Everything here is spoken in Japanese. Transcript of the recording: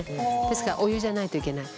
ですからお湯じゃないといけない。